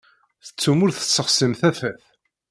Tettum ur tessexsim tafat.